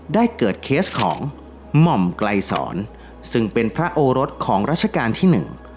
ได้เกิดเคสของหม่อมไกลสอนซึ่งเป็นพระโอรสของรัชกาลที่หนึ่ง